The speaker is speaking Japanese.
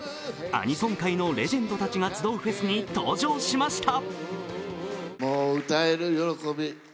アニソン界のレジェンドたちが集うフェスに登場しました。